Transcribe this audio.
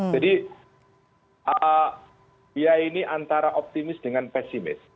jadi beliau ini antara optimis dengan pesimis